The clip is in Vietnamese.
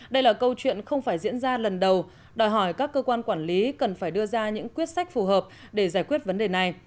đây là câu chuyện không phải diễn ra lần đầu đòi hỏi các cơ quan quản lý cần phải đưa ra những quyết sách phù hợp để giải quyết vấn đề này